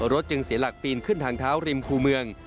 รถจึงเสียหลักปีนขึ้นทางเท้าริมคู่เมือง